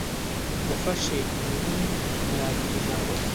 Yafashe ururimi ntiyagira ijambo.